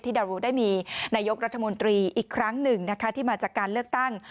ดารุได้มีนายกรัฐมนตรีอีกครั้งหนึ่งนะคะที่มาจากการเลือกตั้ง